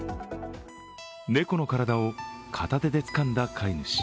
猫の体を片手でつかんだ飼い主。